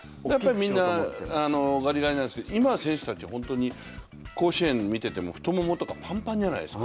みんなガリガリなんですけど今の選手たちは本当に甲子園見てても太ももとかぱんぱんじゃないですか？